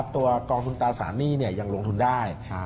กองทุนตราสารหนี้ยังลงทุนได้